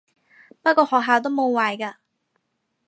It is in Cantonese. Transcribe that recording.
不過學下都冇壞嘅